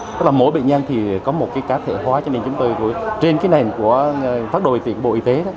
tức là mỗi bệnh nhân thì có một cái cá thể hóa cho nên chúng tôi trên cái nền của phát đồ điều trị của bộ y tế